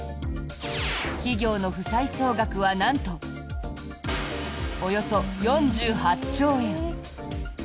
企業の負債総額はなんと、およそ４８兆円！